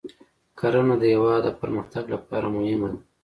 کرنه د هیواد د پرمختګ لپاره مهمه ده.